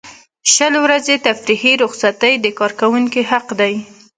شل ورځې تفریحي رخصتۍ د کارکوونکي حق دی.